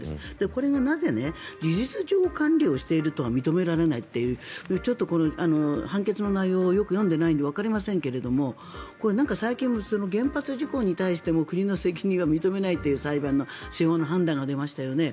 これがなぜ事実上管理をしているとは認められないというちょっと判決の内容をよく読んでないのでわかりませんけれども最近、原発事故に対しても国の責任は認めないという司法の判断が出ましたよね。